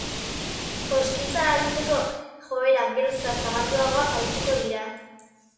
Joskintzan aritzeko joera geroz eta zabalduagoaz arituko dira.